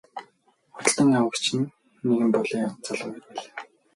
Худалдан авагч нь нэгэн булиа залуу эр байлаа.